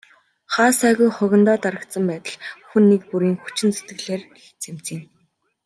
Хаа сайгүй хогондоо дарагдсан байдал хүн нэг бүрийн хүчин зүтгэлээр л цэмцийнэ.